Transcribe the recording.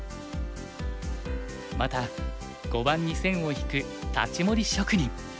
また碁盤に線を引く太刀盛り職人。